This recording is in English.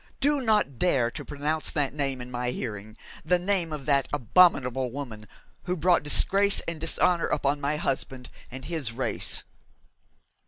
'Do not dare to pronounce that name in my hearing the name of that abominable woman who brought disgrace and dishonour upon my husband and his race.'